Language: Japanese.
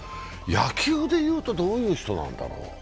野球でいうと、どういう人なんだろう。